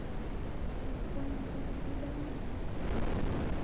Kafwani ndedidedanye na Wakio